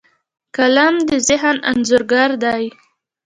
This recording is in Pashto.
قلم د ذهن انځورګر دی